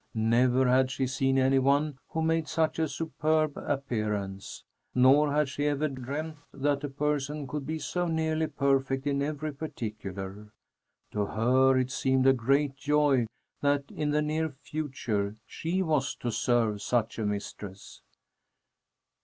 Never had she seen any one who made such a superb appearance. Nor had she ever dreamed that a person could be so nearly perfect in every particular. To her it seemed a great joy that in the near future she was to serve such a mistress.